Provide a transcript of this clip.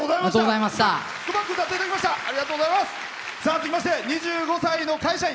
続きまして、２５歳の会社員。